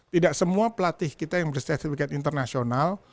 tidak semua pelatih kita yang berstatistik international